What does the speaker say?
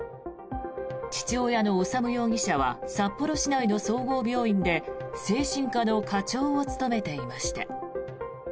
父親の修容疑者は札幌市内の総合病院で精神科の科長を務めていました。